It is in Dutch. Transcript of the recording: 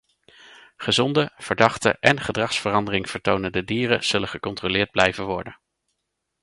Gezonde, verdachte en gedragsverandering vertonende dieren zullen gecontroleerd blijven worden.